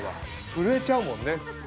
震えちゃうもんね。